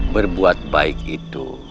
berbuat baik itu